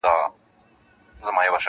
• بزم دی پردی پردۍ نغمې پردۍ سندري دي..